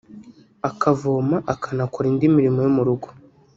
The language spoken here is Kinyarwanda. akavoma akanakora indi mirimo yo mu rugo